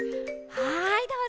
はいどうぞ。